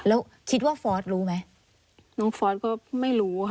แล้วคิดว่าฟอสรู้ไหม